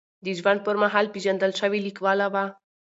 د ژوند پر مهال پېژندل شوې لیکواله وه.